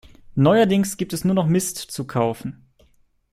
Neuerdings gibt es nur noch Mist zu kaufen.